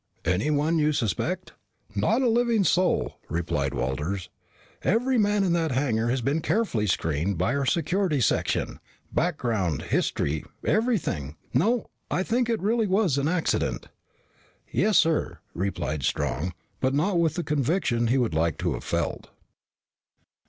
"Anyone you suspect?" "Not a living soul," replied Walters. "Every man in that hangar has been carefully screened by our Security Section. Background, history, everything. No, I think it really was an accident." "Yes, sir," replied Strong, but not with the conviction he would like to have felt.